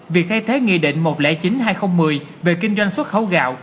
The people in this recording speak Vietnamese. việc thay thế nghị định một trăm linh chín hai nghìn một mươi về kinh doanh xuất khẩu gạo